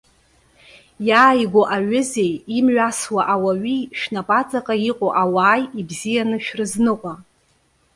Иааигәоу аҩызеи, имҩасуа ауаҩи, шәнапы аҵаҟа иҟоу ауааи, ибзианы шәрызныҟәа.